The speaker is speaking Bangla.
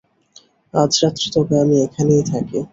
আজ রাত্রে তবে আমি এখানেই থাকি।